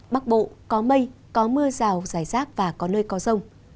bắc bộ có mây có mưa rào rải rác và có nơi có rông